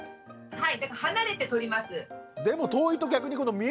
はい。